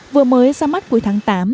vừa mới ra mắt cuối tháng tám